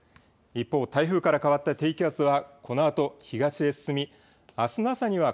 一方、台風から変わった低気圧はこのあと東へ進み、あすの朝には